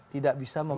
tidak bisa memaksakan